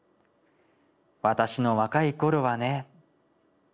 『私の若い頃はね』。